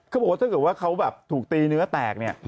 ก็บอกว่าถ้าเค้าแบบถูกตีเนื้อแตกเนี่ย